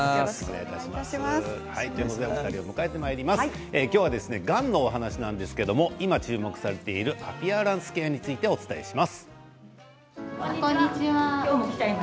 お二人を迎えて、今日はがんの話なんですけれども今、注目されているアピアランスケアについてお伝えします。